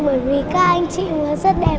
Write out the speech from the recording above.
bởi vì các anh chị rất đẹp